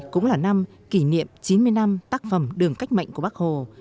cũng là năm kỷ niệm chín mươi năm tác phẩm đường cách mạnh của bác hồ